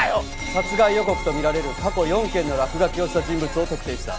殺害予告とみられる過去４件の落書きをした人物を特定した。